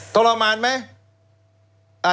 ทรมานหรือไม่